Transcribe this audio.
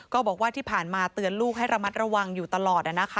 ก็บอกว่าที่ผ่านมาเตือนลูกให้ระมัดระวังอยู่ตลอด